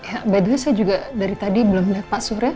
ya by the way saya juga dari tadi belum lihat pak sure